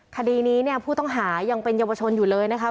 คดีนี้เนี่ยผู้ต้องหายังเป็นเยาวชนอยู่เลยนะครับ